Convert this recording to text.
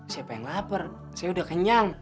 siapa yang lapar saya udah kenyang